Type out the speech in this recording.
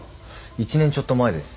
１年ちょっと前です。